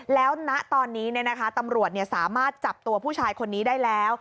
แล้วณตอนนี้ตำรวจสามารถจับตัวผู้ชายคนนี้ได้แล้ว